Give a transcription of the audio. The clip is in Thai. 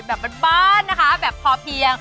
แบบบ้านนะคะแบบพอเพียง